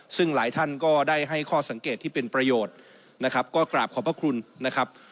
ซึ่งหลายท่านก็ได้ให้ข้อสังเกตที่เป็นประโยชน์นะครับก็กราบขอบพระคุณนะครับ